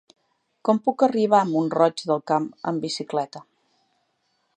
Com puc arribar a Mont-roig del Camp amb bicicleta?